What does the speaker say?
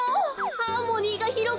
ハーモニーがひろがる。